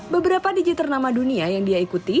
beberapa digiternama dunia yang dia ikuti